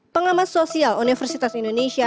pengamat sosial universitas indonesia